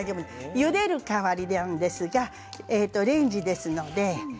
ゆでる代わりなんですねレンジですので。